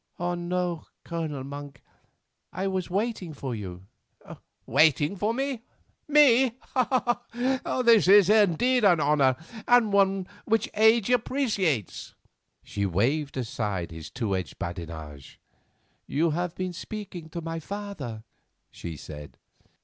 "No, Colonel Monk, I was waiting for you." "Waiting for me? Me! This is indeed an honour, and one which age appreciates." She waved aside his two edged badinage. "You have been speaking to my father," she said.